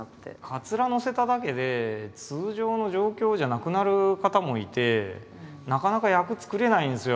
かつらのせただけで通常の状況じゃなくなる方もいてなかなか役作れないんですよ